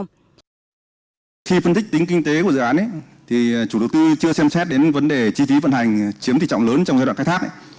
khi phân tích tính kinh tế của dự án thì chủ đầu tư chưa xem xét đến vấn đề chi phí vận hành chiếm tỷ trọng lớn trong giai đoạn khai thác